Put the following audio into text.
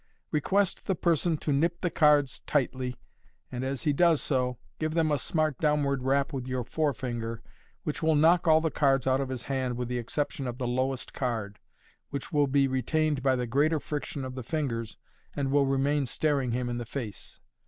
Request the person to nip the cards tightly, and as he does so give them a smart downward rap with your forefinger, which will knock all the cards out of his hand with the exception of the lowest card, which will be retained by the greater friction of the fingers, and will remain staring him in the face.